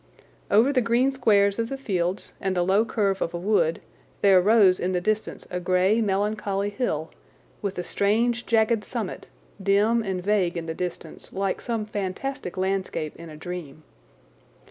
Over the green squares of the fields and the low curve of a wood there rose in the distance a grey, melancholy hill, with a strange jagged summit, dim and vague in the distance, like some fantastic landscape in a dream.